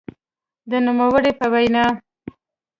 د نوموړي په وینا؛